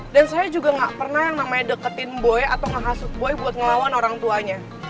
dan saya juga gak pernah yang namanya deketin boy atau menghasut boy buat ngelawan orang tuanya